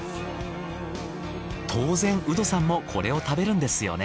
当然ウドさんもこれを食べるんですよね？